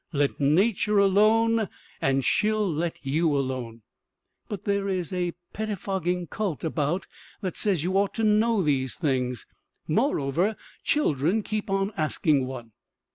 Let nature alone and she'll let you alone. But there is a pettifogging cult about that says you ought to know these things; moreover, children keep on asking one.